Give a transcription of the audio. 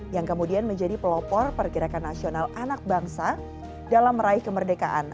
yang kemudian menjadi pelopor pergerakan nasional anak bangsa dalam meraih kemerdekaan